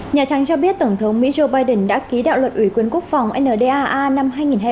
nhà trắng cho biết tổng thống mỹ joe biden đã ký đạo luật ủy quyến quốc phòng ndaa năm hai nghìn hai mươi